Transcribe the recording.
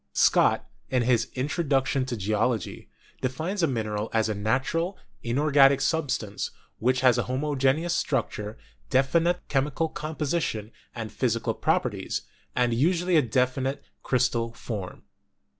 Scott, in his 'Introduction to Geology/ defines a mineral as a natural, inorganic substance, which has a homogeneous structure, definite chemical composition and physical properties, and usually a definite crystal form.